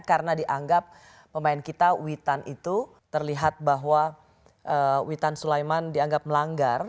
karena dianggap pemain kita witan itu terlihat bahwa witan sulaiman dianggap melanggar